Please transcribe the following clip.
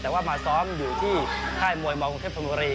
แต่ว่ามาทรอมอยู่ที่แท่มวยมกรภทมงรี